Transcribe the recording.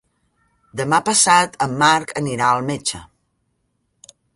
Demà passat en Marc anirà al metge.